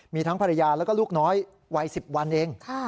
มีทั้งภรรยาแล้วก็ลูกน้อยวัย๑๐วันเอง